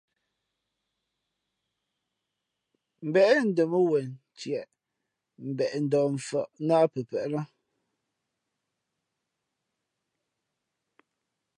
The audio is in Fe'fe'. Mbéʼ ndα̌ mά wen tíé nά mbeʼ ndαh mfάʼ nά ā pəpēʼ.